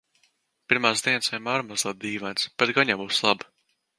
Pirmās dienas vienmēr mazliet dīvainas, bet gan jau būs labi.